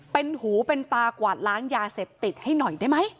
เป็นหูเป็นตากวาดล้างยาเสพติดให้หน่อยได้ไหม